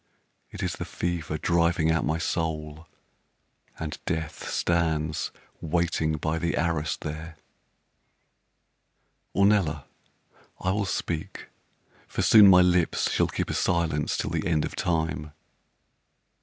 It is the fever driving out my soul, And Death stands waiting by the arras there. Ornella, I will speak, for soon my lips Shall keep a silence till the end of time.